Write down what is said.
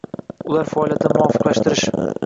ular faoliyatini muvofiqlashtirish